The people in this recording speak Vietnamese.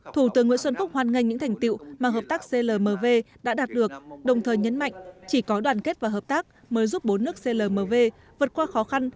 thủ tướng nguyễn xuân phúc hoan nghênh những thành tiệu mà hợp tác clmv đã đạt được đồng thời nhấn mạnh chỉ có đoàn kết và hợp tác mới giúp bốn nước clmv vượt qua khó khăn